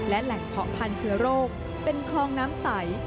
และแหล่งเพาะพันธุโรคเป็นคลองน้ำใส